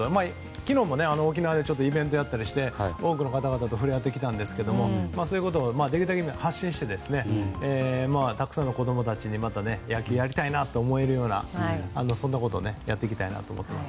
昨日も沖縄でイベントをやったりして多くの方々と触れ合ってきたんですけどそういうことをできるだけ発信してたくさんの子供たちが野球をやりたいなと思えるようなそんなことをやっていきたいなと思っています。